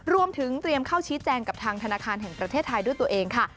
รวมถึงเตรียมเข้าชี้แจงกับทางธนาคารแห่งประเทศไทยด้วยตัวเองค่ะ